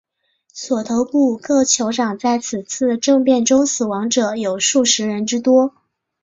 索头部各酋长在这次政变中死亡者有数十人之多。